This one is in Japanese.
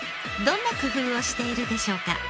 どんな工夫をしているでしょうか？